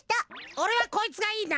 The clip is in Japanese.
おれはこいつがいいな。